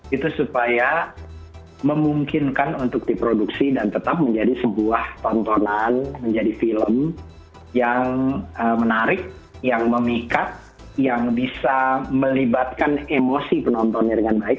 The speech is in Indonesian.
itu supaya memungkinkan untuk diproduksi dan tetap menjadi sebuah tontonan menjadi film yang menarik yang memikat yang bisa melibatkan emosi penontonnya dengan baik